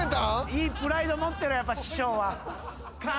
いいプライド持ってる師匠は。